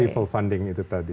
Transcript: people funding itu tadi